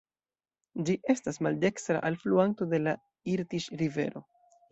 Ĝi estas maldekstra alfluanto de la Irtiŝ-rivero.